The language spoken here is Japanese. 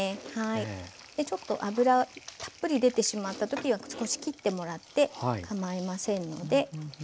ちょっと油たっぷり出てしまった時は少しきってもらって構いませんので。